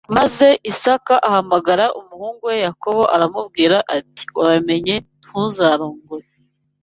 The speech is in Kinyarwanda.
Maze Isaka ahamagara umuhungu we Yakobo, aramubwira ati ‘uramenye ntuzarongore